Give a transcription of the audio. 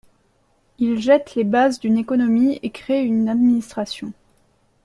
Il jette les bases d'une économie et crée une administration.